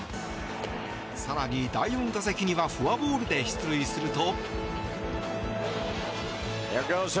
更に第４打席にはフォアボールで出塁すると。